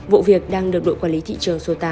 vụ việc đang được đội quản lý thị trường số tám